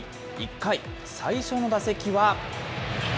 １回、最初の打席は。